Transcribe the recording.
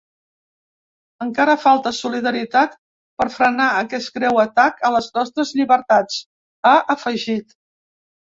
Encara falta solidaritat per frenar aquest greu atac a les nostres llibertats, ha afegit.